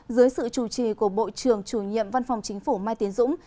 dưới sự chủ trì của bộ trưởng chủ nhiệm văn phòng chính phủ mai tiến dũng